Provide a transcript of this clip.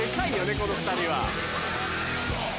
この２人は。